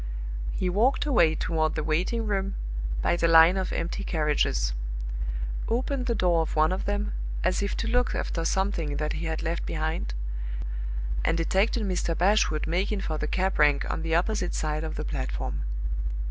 He walked away toward the waiting room by the line of empty carriages; opened the door of one of them, as if to look after something that he had left behind, and detected Mr. Bashwood making for the cab rank on the opposite side of the platform.